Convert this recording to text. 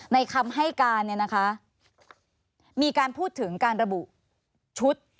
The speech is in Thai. ในคำให้การมีการพูดถึงการระบุชุด